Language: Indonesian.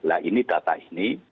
nah ini data ini